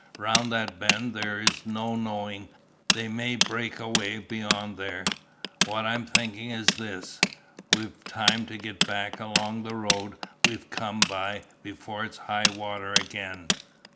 Round that bend there's no knowing, they may break away beyond there. What I'm thinkin' is this. We've time to get back along the road we've come by before it's high water again."